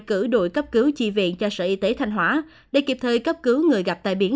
cử đội cấp cứu chi viện cho sở y tế thanh hóa để kịp thời cấp cứu người gặp tai biến